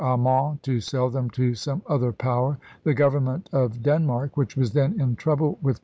Arman to sell them to some other power, the Government of Den mark, which was then in trouble with Prussia, 1 Captain J.